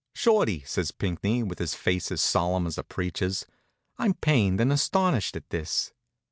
"Shorty," says Pinckney, with his face as solemn as a preacher's, "I'm pained and astonished at this."